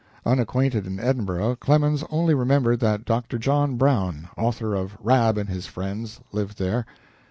Unacquainted in Edinburgh, Clemens only remembered that Dr. John Brown, author of "Rab and His Friends," lived there.